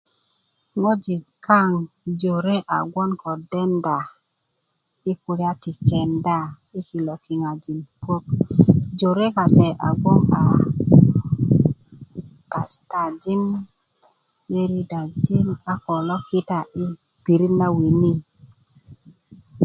ŋojik kaŋ jore a bgoŋ ko denda i kulya ti kenda i kilo kiŋajin puök jore kase a bgoŋ pastajin leyredajin a ko lo kita i pirit na wini